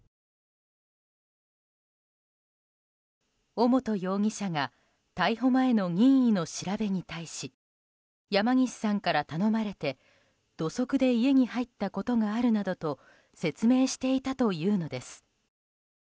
尾本容疑者が逮捕前の任意の調べに対し山岸さんから頼まれて、土足で家に入ったことがあるなどと説明していたというのです。